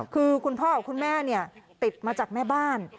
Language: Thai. คือคุณพ่อกับคุณแม่ติดมาจากแม่บ้าน